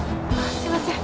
すいません。